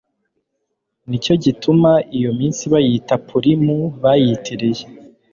Ni cyo gituma iyo minsi bayita Purimu bayitiriye